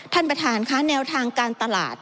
ท่านประธานค่ะแนวทางการตลาด